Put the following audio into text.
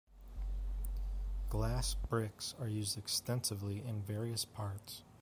Glass bricks are used extensively in various parts.